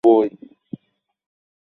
যাওয়ার সময় দরজাটা লাগিয়ে দিও।